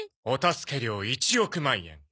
お助け料１億万円。